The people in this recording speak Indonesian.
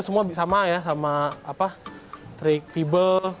semua sama ya sama trik feebel